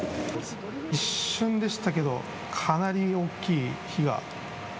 一瞬でしたけど、かなり大きい火が。